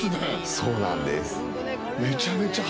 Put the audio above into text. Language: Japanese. そうなんです。